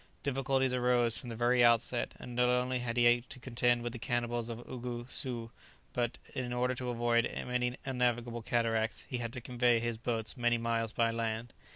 Difficulties arose from the very outset, and not only had he to contend with the cannibals of Ugusu, but, in order to avoid many unnavigable cataracts, he had to convey his boats many miles by land.